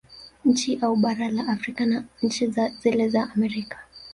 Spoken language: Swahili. Nchi au bara la Afrika na nchi zile za Amerika